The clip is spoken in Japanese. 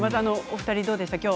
お二人どうでした？